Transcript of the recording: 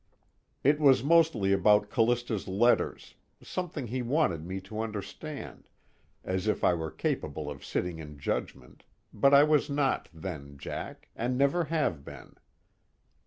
It was mostly about Callista's letters, something he wanted me to understand, as if I were capable of sitting in judgment but I was not then, Jack, and never have been.